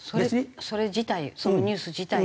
それ自体そのニュース自体を？